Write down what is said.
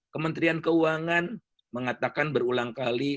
kementerian keuangan mengatakan berulang kali